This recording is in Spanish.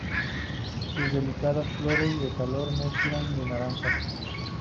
Sus delicadas flores de color mezcla de naranjas.